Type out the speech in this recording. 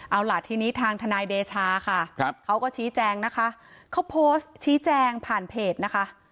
เอาล่ะทีนี้ทางทนายเดชาค่ะเขาก็ชี้แจงนะคะเขาโพสต์ชี้แจงผ่านเพจนะคะ